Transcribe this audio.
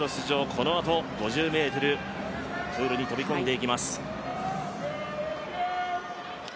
このあと５０ｍ、プールに飛び込んでいきます。